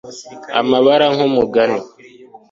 Amabara nkumugani